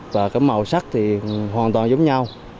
và cái màu sắc thì hoàn toàn giống nhau